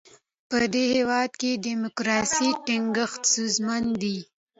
په دې هېواد کې د ډیموکراسۍ ټینګښت ستونزمن دی.